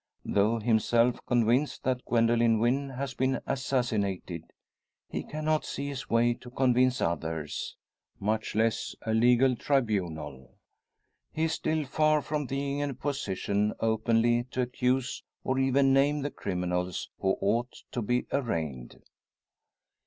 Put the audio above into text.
Though himself convinced that Gwendoline Wynn has been assassinated, he cannot see his way to convince others much less a legal tribunal. He is still far from being in a position openly to accuse, or even name the criminals who ought to be arraigned.